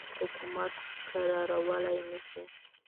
حکومت کرارولای نه شي.